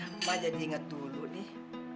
emak janji ingat dulu nih